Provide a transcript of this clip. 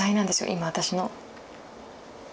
今私の。